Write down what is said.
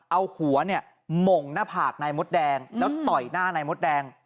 เอาหัวเนี่ยหม่งหน้าผากนายมดแดงแล้วต่อยหน้านายมดแดง